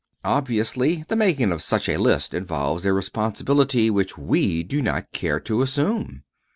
Obviously, the making of such a list involves a responsibility which we do not care to assume.